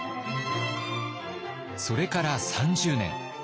それから３０年。